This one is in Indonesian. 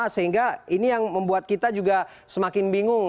sehingga ini yang membuat kita juga semakin bingung